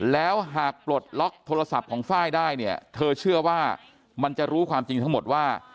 แล้วหากปลดล็อกโทรศัพท์ของไฟล์ได้เนี่ยเธอเชื่อว่ามันจะรู้ความจริงทั้งหมดว่า